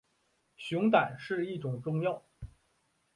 熊胆是一种中药。